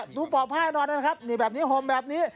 ดูปอบผ้าให้นอนนะครับนี่แบบนี้ห่มแบบนี้